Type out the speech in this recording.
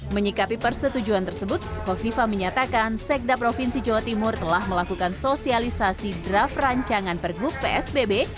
menyikapi persetujuan tersebut kofifa menyatakan sekda provinsi jawa timur telah melakukan sosialisasi draft rancangan pergub psbb